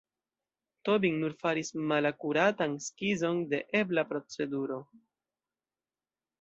Tobin nur faris malakuratan skizon de ebla proceduro.